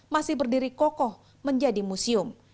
masih berdiri kokoh menjadi museum